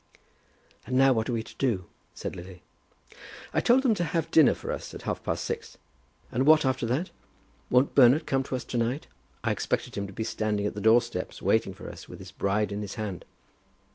"And now what are we to do?" said Lily. "I told them to have dinner for us at half past six." "And what after that? Won't Bernard come to us to night? I expected him to be standing on the door steps waiting for us with his bride in his hand."